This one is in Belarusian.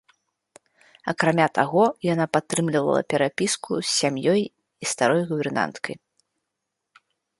Акрамя таго, яна падтрымлівала перапіску з сям'ёй і старой гувернанткай.